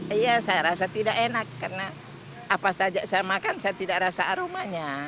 iya saya rasa tidak enak karena apa saja saya makan saya tidak rasa aromanya